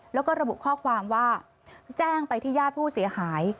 แล้วก็ระบุข้อความว่าแจ้งไปที่ญาติผู้เสียหาย